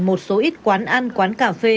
một số ít quán ăn quán cà phê